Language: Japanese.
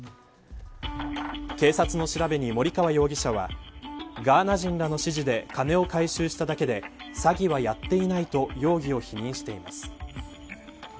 警察の調べに、森川容疑者はガーナ人らの指示で金を回収しただけで詐欺はやっていないと容疑を否認しています。